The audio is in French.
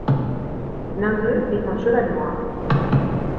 L'un d'eux est un cheval noir.